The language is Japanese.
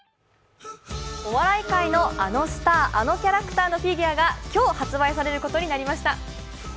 お笑い界のあのスター、あのキャラクターのフィギュアが今日発売されることになりました。